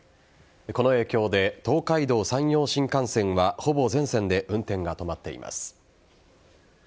この影響で東海道・山陽新幹線はほぼ全線で運転が止まっています。